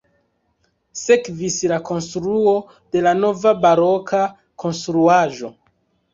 Sekvis la konstruo de la nova baroka konstruaĵo.